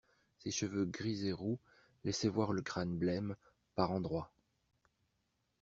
Ses cheveux gris et roux laissaient voir le crâne blême, par endroits.